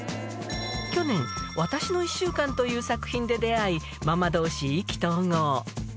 去年、私の一週間という作品で出会い、ママどうし、意気投合。